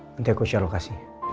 nanti aku cari lokasi